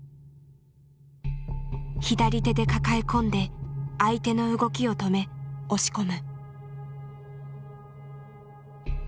左手で抱え込んで相手の動きを止め押し込む。